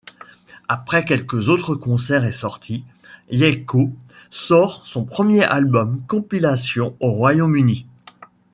Après quelques autres concerts et sorties, Yaiko sort son premier album compilation au Royaume-Uni.